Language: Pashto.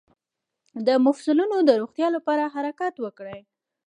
د مفصلونو د روغتیا لپاره حرکت وکړئ